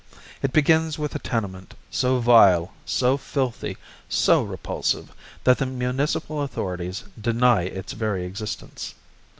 It begins with a tenement so vile, so filthy, so repulsive, that the municipal authorities deny its very existence.